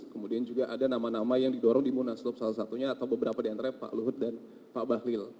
kemudian juga ada nama nama yang didorong di munaslup salah satunya atau beberapa diantaranya pak luhut dan pak bahlil